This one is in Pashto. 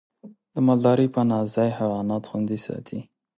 د مالدارۍ پناه ځای حیوانات خوندي ساتي.